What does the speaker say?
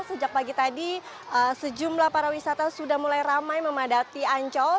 sejak pagi tadi sejumlah para wisata sudah mulai ramai memadati ancol